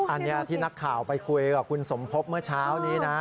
อันนี้ที่นักข่าวไปคุยกับคุณสมพบเมื่อเช้านี้นะ